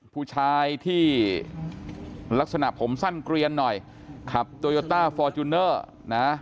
ผู้ชายที่ลักษณะผมสั้นเกลียนหน่อยขับโตโยต้าฟอร์จูเนอร์นะ